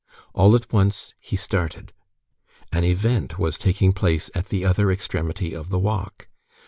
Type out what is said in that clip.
All at once he started. An event was taking place at the other extremity of the walk.